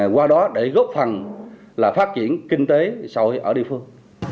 qua đó để góp phần là phát triển kinh tế sau ở địa phương